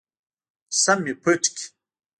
چې سم مې پټ کړي.